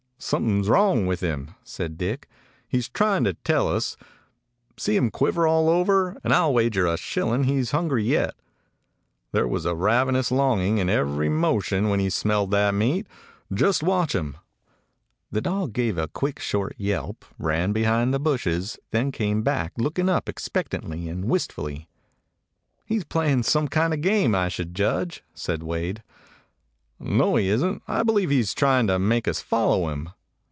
"Something 's wrong with him," said Dick. "He 's trying to tell us. See him quiver all over; and I 'll wager a shilling he's hungry yet. There was a ravenous longing in every motion when he smelled that meat. Just watch him!" The dog gave a quick, short yelp, ran be hind the bushes, then came back, looking up expectantly and wistfully. He 's playing some kind of a game, I should judge," said Wade. "No, he is n't. I believe he 's trying to make us follow him."